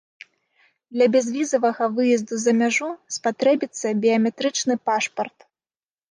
Для бязвізавага выезду за мяжу спатрэбіцца біяметрычны пашпарт.